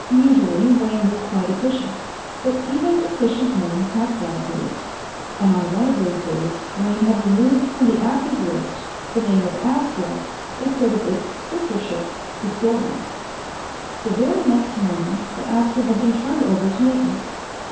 Usually Wayne was quite efficient, but even efficient men have bad days, and on one of those days Wayne had removed from the active list the name of Astra instead of its sister ship, the Storan. The very next morning the Astra had been turned over to Maintenance.